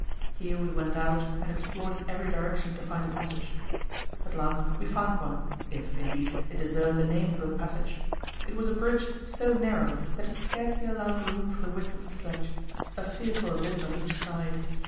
Here we went out and explored in every direction to find a passage; at last we found one, if, indeed, it deserved the name of a passage. It was a bridge so narrow that it scarcely allowed room for the width of the sledge; a fearful abyss on each side.